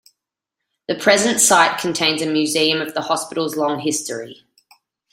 The present site contains a museum of the hospital's long history.